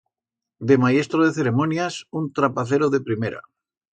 De mayestro de ceremonias, un trapacero de primera.